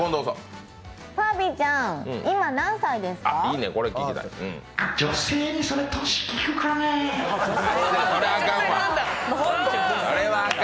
ファービーちゃん、今、何歳ですか？